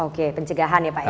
oke pencegahan ya pak ya